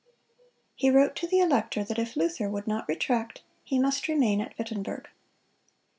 He wrote to the elector that if Luther would not retract, he must remain at Wittenberg.